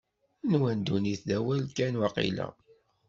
Nwan ddunit d awal kan, waqila?